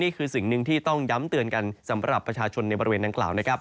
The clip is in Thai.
นี่คือสิ่งนึงที่ต้องย้ำเตือนกันสำหรับประชาชนในบริเวณต่างกล่าว